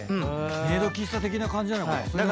メイド喫茶的な感じなのかな？